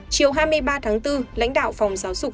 chiều hai mươi ba tháng bốn lãnh đạo phòng giáo dục